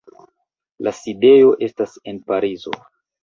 La sidejo estas en Parizo.